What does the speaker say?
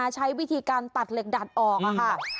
ใช้วิธีการตัดเหล็กดัดออกค่ะ